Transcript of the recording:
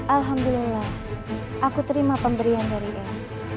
alhamdulillah aku terima pemberian dari era